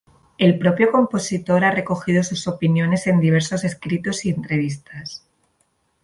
El propio compositor ha recogido sus opiniones en diversos escritos y entrevistas.